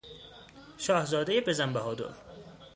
شاهزادهی بزن بهادر